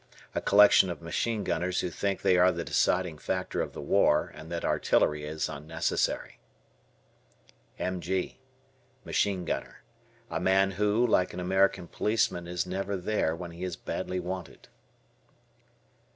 A collection of machine gunners who think they are the deciding factor of the war, and that artillery is unnecessary. M.G. Machine Gunner. A man who, like an American policeman, is never there when he is badly wanted.